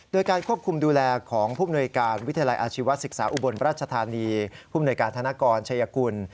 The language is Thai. โดยการควบคุมดูแลของผู้มนวยการวิทยาลัยอาชีวศึกษาอุบลราชธานีผู้มนวยการธนกรชายกุล